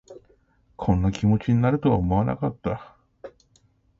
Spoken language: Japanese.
こんな気持ちになるとは思わなかった